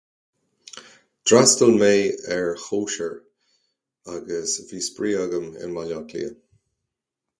D'fhreastail mé ar chóisir agus bhí spraoi agam i mBaile Átha Cliath.